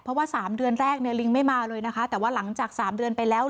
เพราะว่า๓เดือนแรกเนี่ยลิงไม่มาเลยนะคะแต่ว่าหลังจาก๓เดือนไปแล้ว